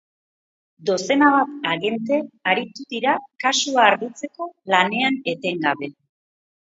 Dozena bat agente aritu dira kasua argitzeko lanean etengabe.